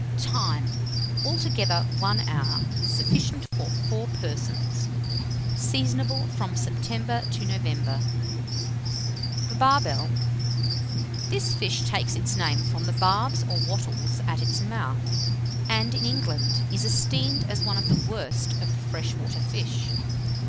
Time. Altogether 1 hour. Sufficient for 4 persons. Seasonable from September to November. [Illustration: THE BARBEL.] THE BARBEL, This fish takes its name from the barbs or wattels at its mouth; and, in England, is esteemed as one of the worst of the fresh water fish.